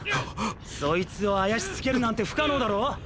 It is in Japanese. そいつをあやしつけるなんて不可能だろ⁉